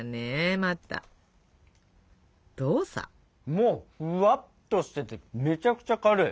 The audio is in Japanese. もうふわっとしててめちゃくちゃ軽い。